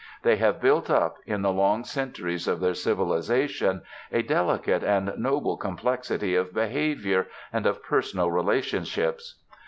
They have built up, in the long centuries of their civilisation, a delicate and noble complexity of behaviour and of personal relationships.